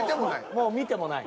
もう見てもない。